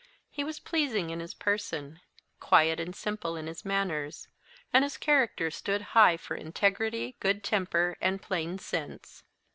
He was pleasing in his person; quiet and simple in his manners; and his character stood high for integrity, good temper, and plain sense.